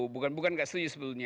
bukan bukan nggak setuju sebelumnya